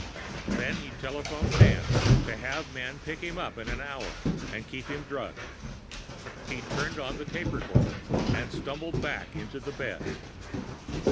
Then he'd telephoned Dan to have men pick him up in an hour and keep him drugged. He'd turned on the tape recorder and stumbled back to the bed.